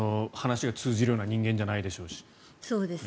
話が通じるような人間ではないでしょうし。